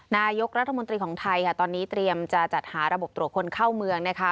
นายกรัฐมนตรีของไทยค่ะตอนนี้เตรียมจะจัดหาระบบตรวจคนเข้าเมืองนะคะ